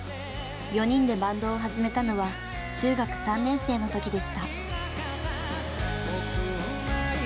４人でバンドを始めたのは中学３年生の時でした。